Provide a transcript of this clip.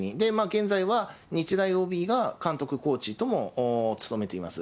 現在は日大ＯＢが監督、コーチとも務めています。